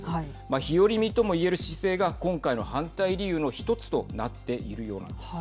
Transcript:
日和見とも言える姿勢が今回の反対理由の１つとなっているようなんです。